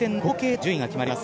順位が決まります。